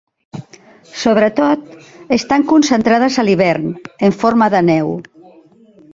Sobretot estan concentrades a l'hivern, en forma de neu.